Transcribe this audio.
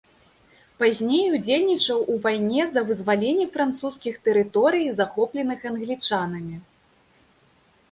Пазней удзельнічаў у вайне за вызваленне французскіх тэрыторый, захопленых англічанамі.